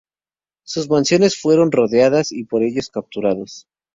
Sus mansiones fueron rodeadas y ellos capturados.